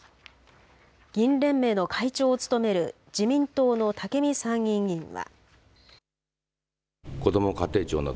議員連盟の会長を務める自民党の武見参議院議員は。